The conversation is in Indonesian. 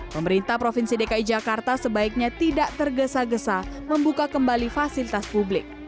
pemerintah provinsi dki jakarta sebaiknya tidak tergesa gesa membuka kembali fasilitas publik